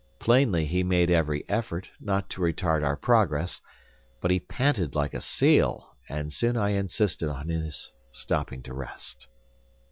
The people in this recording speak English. Plainly he made every effort, not to retard our progress, but he panted like a seal, and soon I insisted on his stopping to rest.